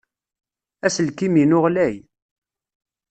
Aselkim-inu ɣlay.